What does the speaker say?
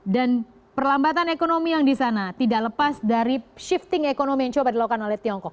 dan perlambatan ekonomi yang di sana tidak lepas dari shifting ekonomi yang coba dilakukan oleh tiongkok